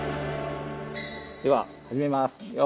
では始めます。